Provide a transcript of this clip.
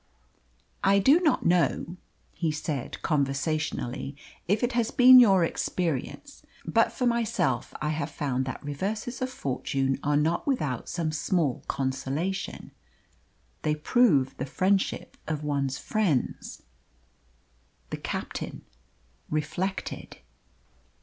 "I do not know," he said conversationally, "if it has been your experience, but for myself I have found that reverses of fortune are not without some small consolation. They prove the friendship of one's friends." The captain reflected.